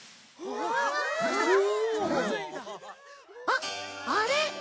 あっあれ！